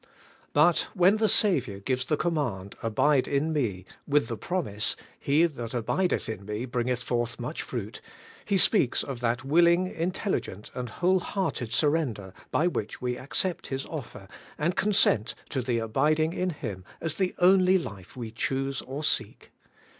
But when the Saviour gives the command, 'Abide in me,' with the promise, 'He that abideth in me bringeth forth much fruit,' He speaks of that willing, intelligent, and whole hearted sur render by which we accept His offer, and consent to the abiding in Him as the only life we choose or seek.